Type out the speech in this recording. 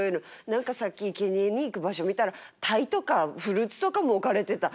何かさっきいけにえに行く場所見たら鯛とかフルーツとかも置かれてた。